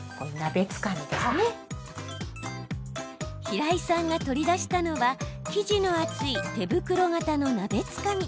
平井さんが取り出したのは生地の厚い手袋型の鍋つかみ。